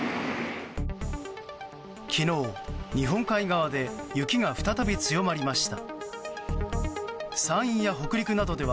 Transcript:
昨日、日本海側で雪が再び強まりました。